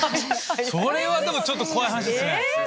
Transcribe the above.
それはちょっと怖い話ですね。